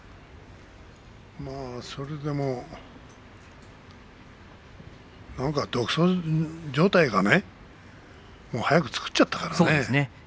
それでも独走状態がね早く作っちゃったからね。